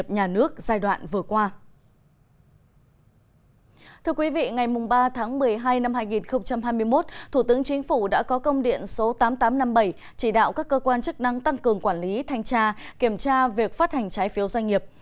ngày ba một mươi hai hai nghìn hai mươi một thủ tướng chính phủ đã có công điện số tám nghìn tám trăm năm mươi bảy chỉ đạo các cơ quan chức năng tăng cường quản lý thanh tra kiểm tra việc phát hành trái phiếu doanh nghiệp